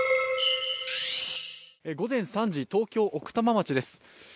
午前３時、東京・奥多摩町です